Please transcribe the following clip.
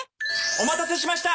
お待たせしました。